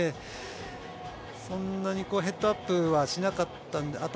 そんなにヘッドアップはしなかったので。